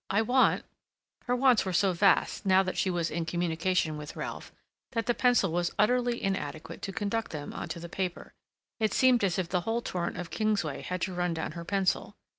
I want—" Her wants were so vast, now that she was in communication with Ralph, that the pencil was utterly inadequate to conduct them on to the paper; it seemed as if the whole torrent of Kingsway had to run down her pencil.